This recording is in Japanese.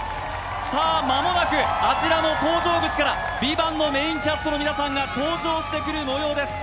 さあ、間もなくあちらの登場口から「ＶＩＶＡＮＴ」のメインキャストの皆さんが登場してくるもようです。